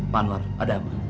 pak anwar ada apa